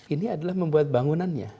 ini adalah membuat bangunannya